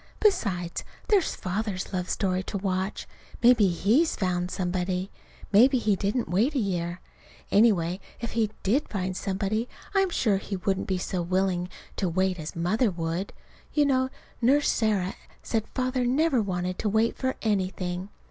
Besides, there's Father's love story to watch. Maybe he's found somebody. Maybe he didn't wait a year. Anyhow, if he did find somebody I'm sure he wouldn't be so willing to wait as Mother would. You know Nurse Sarah said Father never wanted to wait for anything.